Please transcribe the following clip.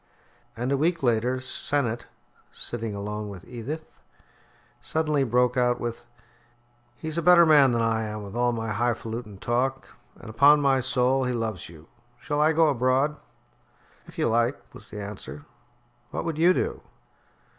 And a week later Sennett, sitting alone with Edith, suddenly broke out with: "He's a better man than I am, with all my high falutin' talk, and, upon my soul, he loves you. Shall I go abroad?" "If you like," was the answer. "What would you do?"